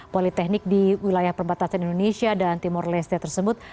politeknik di wilayah perbatasan indonesia dan timur leste tersebut